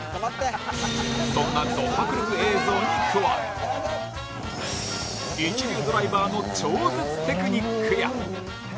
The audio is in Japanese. そんなド迫力映像に加え一流ドライバーの超絶テクニックや。